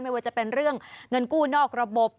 ว่าจะเป็นเรื่องเงินกู้นอกระบบ